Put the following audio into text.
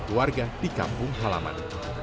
keluarga di kampung halaman